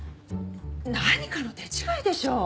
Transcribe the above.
何かの手違いでしょう。